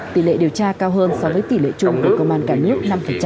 tỷ lệ điều tra cao hơn so với tỷ lệ chung của công an cả nước năm